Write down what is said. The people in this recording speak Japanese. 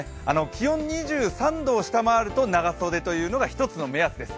気温２３度を下回ると長袖というのが一つの目安です。